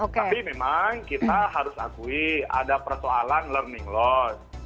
tapi memang kita harus akui ada persoalan learning loss